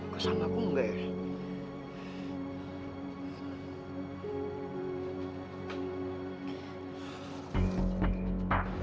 kok sama aku enggak ya